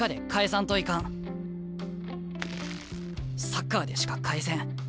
サッカーでしか返せん。